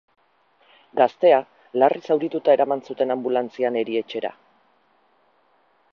Gaztea larri zaurituta eraman zuten anbulantzian erietxera.